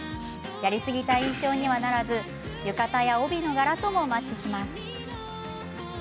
やりすぎた印象にはならず浴衣や帯の柄ともマッチします。